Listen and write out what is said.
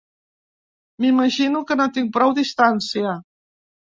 M'imagino que no tinc prou distància.